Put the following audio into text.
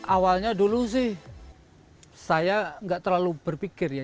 awalnya dulu sih saya nggak terlalu berpikir ya